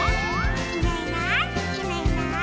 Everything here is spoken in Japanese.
「いないいないいないいない」